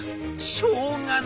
「しょうがない。